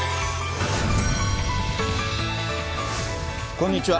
こんにちは。